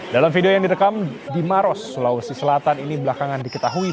dalam video yang direkam di maros sulawesi selatan ini belakangan diketahui